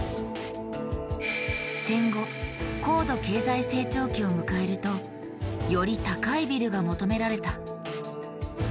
戦後高度経済成長期を迎えるとより高いビルが求められた。